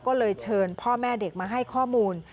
ก็เลยเชิญพ่อแม่เด็กมาให้ข้อมูล